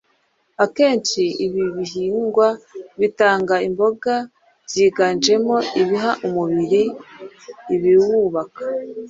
Akenshi ibi bihingwa bitanga imboga byiganjemo ibiha umubiri ibiwubaka